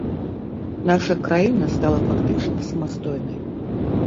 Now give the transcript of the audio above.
Наша краіна стала фактычна самастойнай.